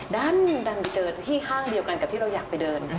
ดันเจอที่ห้างเดียวกันกับที่เราอยากไปเดิน